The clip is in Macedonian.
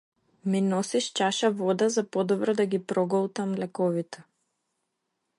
Ми носиш чаша вода за подобро да ги проголтам лековите.